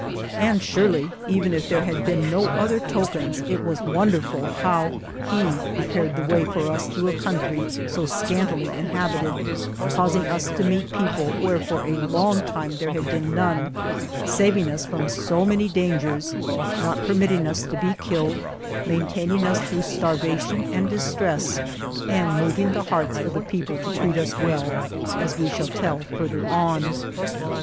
And surely, even if there had been no other tokens, it was won derful how He prepared the way for us through a country so scantily inhabited, causing us to meet people where for a long time there had been none, saving us from so many dangers, not permitting us to be killed, maintaining us through starvation and distress and moving the hearts of the people to treat us well, as we shall tell fur ther on.